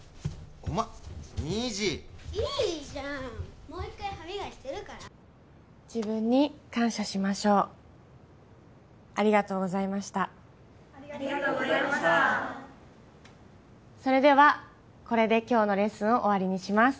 おま虹いいじゃんもう一回歯磨きするから自分に感謝しましょうありがとうございましたありがとうございましたそれではこれで今日のレッスンを終わりにします